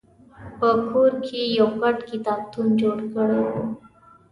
په کور کې یې یو غټ کتابتون جوړ کړی و.